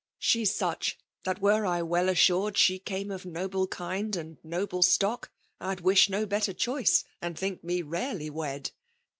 8he*s Bttch that were I well aetured ebe Mine Of noble kind and noble etock* Td wish No better choice, and think me rarely wed.